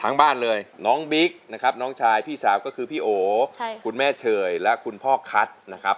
บ้านเลยน้องบิ๊กนะครับน้องชายพี่สาวก็คือพี่โอคุณแม่เชยและคุณพ่อคัทนะครับ